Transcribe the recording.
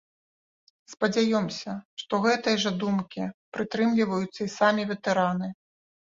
Спадзяёмся, што гэтай жа думкі прытрымліваюцца і самі ветэраны.